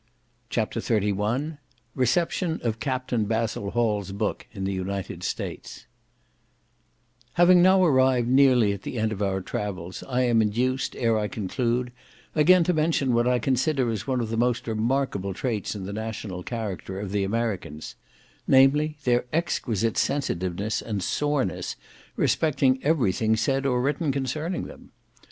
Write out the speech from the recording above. CHAPTER XXXI Reception of Captain Basil Hall's Book in the United States Having now arrived nearly at the end of our travels, I am induced, ere I conclude, again to mention what I consider as one of the most remarkable traits in the national character of the Americans; namely, their exquisite sensitiveness and soreness respecting everything said or written concerning them.